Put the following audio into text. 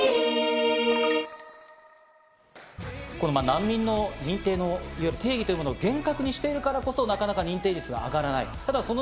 難民の認定の定義というものを厳格にしているからこそ、なかなか認定率が上がらない。